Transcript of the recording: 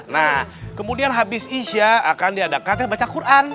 nah kemudian habis isya akan diadakan baca quran